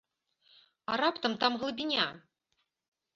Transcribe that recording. А раптам там глыбіня?